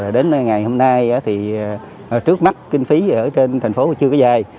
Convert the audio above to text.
đến ngày hôm nay thì trước mắt kinh phí ở trên thành phố chưa có dài